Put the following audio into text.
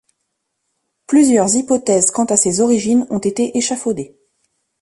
Plusieurs hypothèses quant à ses origines ont été échafaudées.